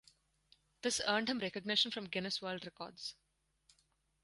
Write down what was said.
This earned him recognition from Guinness World Records.